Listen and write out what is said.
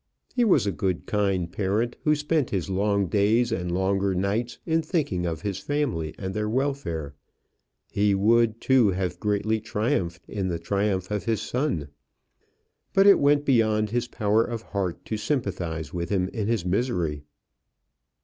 He was a good, kind parent, who spent his long days and longer nights in thinking of his family and their welfare; he would, too, have greatly triumphed in the triumph of his son; but it went beyond his power of heart to sympathize with him in his misery.